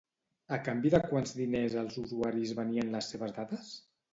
A canvi de quants diners els usuaris venien les seves dades?